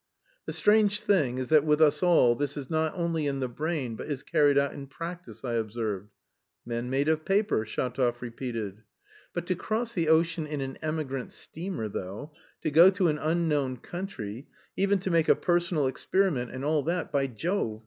"The strange thing is that with us all this is not only in the brain but is carried out in practice," I observed. "Men made of paper," Shatov repeated. "But to cross the ocean in an emigrant steamer, though, to go to an unknown country, even to make a personal experiment and all that by Jove...